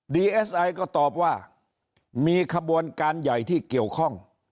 เอสไอก็ตอบว่ามีขบวนการใหญ่ที่เกี่ยวข้อง